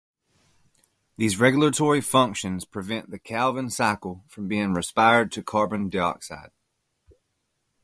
These regulatory functions prevent the Calvin cycle from being respired to carbon dioxide.